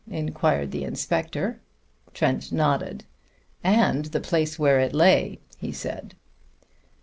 inquired the inspector. Trent nodded. "And the place where it lay," he said.